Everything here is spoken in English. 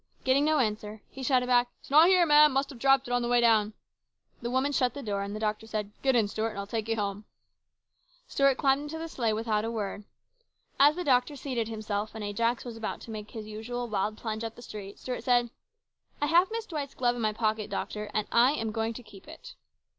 Getting no answer, he shouted back, " It's not here, ma'am ! Must have dropped it on the way down." The woman shut the door and the doctor said, "Get in, Stuart, and I'll take you home." Stuart climbed into the sleigh without a word. As the doctor seated himself, and Ajax was about to make his usual wild plunge up the street, Stuart said, " I have Miss D wight's glove in my pocket, doctor, and I am going to keep it."